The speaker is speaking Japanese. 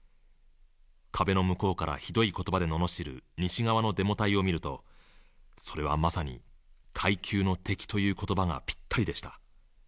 壁の向こうからひどい言葉で罵る西側のデモ隊を見るとそれはまさに階級の敵という言葉がぴったりでした。